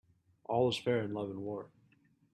All's fair in love and war.